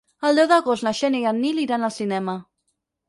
El deu d'agost na Xènia i en Nil iran al cinema.